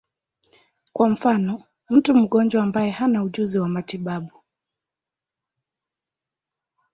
Kwa mfano, mtu mgonjwa ambaye hana ujuzi wa matibabu.